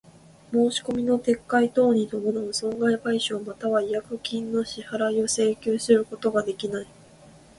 申込みの撤回等に伴う損害賠償又は違約金の支払を請求することができない。